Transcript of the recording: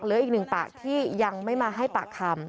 เหลืออีกหนึ่งปากที่ยังไม่มาให้ปากคำ